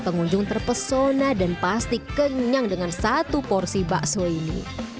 pengunjung terpesona dan pasti kenyang dengan satu porsi bakso ini